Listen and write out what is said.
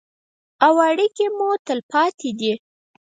او اړیکې مو تلپاتې دي.